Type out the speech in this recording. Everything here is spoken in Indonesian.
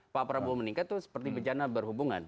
pak prabowo meningkat itu seperti bencana berhubungan